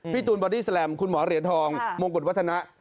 ตูนบอดี้แลมคุณหมอเหรียญทองมงกุฎวัฒนะ